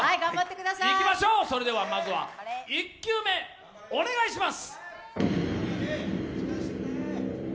いきましょう、それではまずは１球目お願いします。